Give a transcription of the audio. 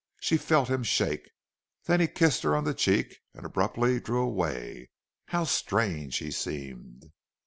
She felt him shake. Then he kissed her on the cheek and abruptly drew away. How strange he seemed!